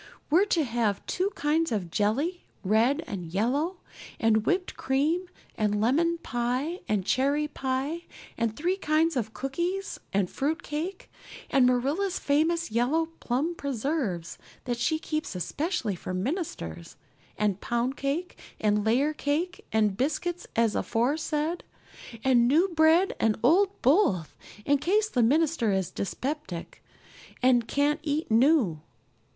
We're to have two kinds of jelly, red and yellow, and whipped cream and lemon pie, and cherry pie, and three kinds of cookies, and fruit cake, and Marilla's famous yellow plum preserves that she keeps especially for ministers, and pound cake and layer cake, and biscuits as aforesaid; and new bread and old both, in case the minister is dyspeptic and can't eat new.